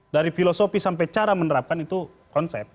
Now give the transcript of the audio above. dari filosofi sampai cara menerapkan itu konsep